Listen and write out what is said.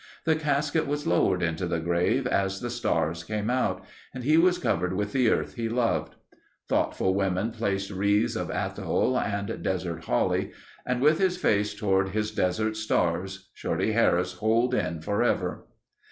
The casket was lowered into the grave as the stars came out, and he was covered with the earth he loved. Thoughtful women placed wreaths of athol and desert holly and, with his face toward his desert stars, Shorty Harris holed in forever.